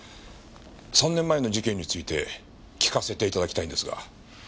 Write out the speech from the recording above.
３年前の事件について聞かせて頂きたいんですが。